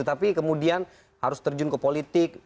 tapi kemudian harus terjun ke politik